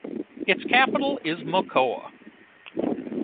Its capital is Mocoa.